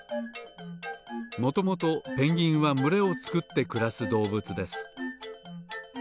もともとペンギンはむれをつくってくらすどうぶつです。